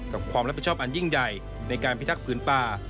ความรับผิดชอบอันยิ่งใหญ่ในการพิทักษ์ผืนป่า